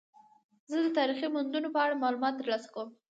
زه د تاریخي موندنو په اړه معلومات ترلاسه کوم.